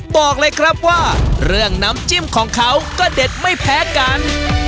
บอกเลยครับว่าเรื่องน้ำจิ้มของเขาก็เด็ดไม่แพ้กัน